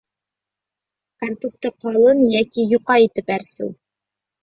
Картуфты ҡалын йәки йоҡа итеп әрсеү